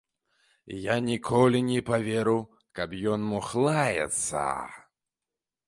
Я ніколі не паверу, каб ён мог лаяцца.